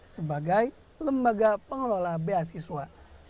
sebagai lembaga pengelola beasiswa